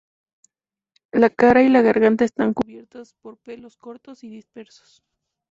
La cara y la garganta están cubiertas por pelos cortos y dispersos.